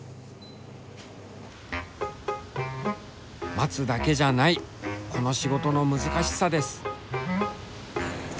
待つだけじゃないこの仕事の難しさです。